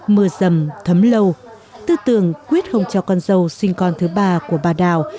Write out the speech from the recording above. mưa dầm thấm lâu tư tưởng quyết không cho con dâu sinh con thứ ba của bà đào